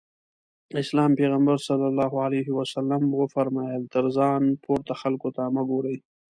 د اسلام پيغمبر ص وفرمايل تر ځان پورته خلکو ته مه ګورئ.